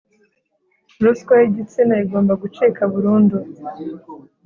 Ruswa yigitsina igomba gucika burundu